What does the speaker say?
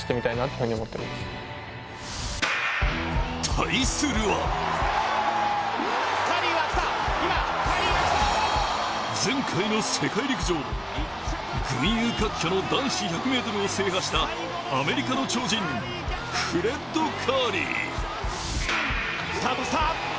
対するは前回の世界陸上、群雄割拠の男子１００ｍを制覇したアメリカの超人フレッド・カーリー。